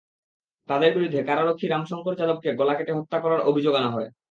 তাঁদের বিরুদ্ধে কারারক্ষী রামশঙ্কর যাদবকে গলা কেটে হত্যা করার অভিযোগ আনা হয়।